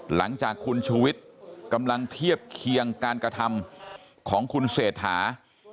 หลังจากคุณชูวิทย์กำลังเทียบเคียงการกระทำของคุณเศรษฐา